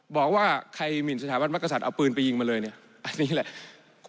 บอกว่าใครหมินสถาบันมักกษัตริย์เอาปืนไปยิงมาเลยเนี่ยอันนี้แหละ